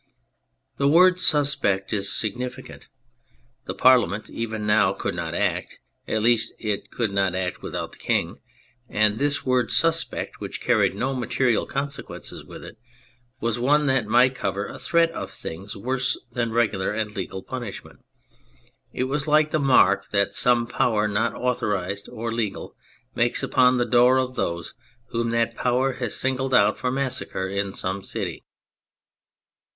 The word " suspect " is significant. The Parliament even now could not act, at least it could not act without the King ; and this word '* suspect," which carried no material consequences with it, was one that might cover a threat of things worse than regular and legal punishment. It was like the mark that some power not authorised or legal makes upon the door of those v/hom that power has singled out for massacre in some city.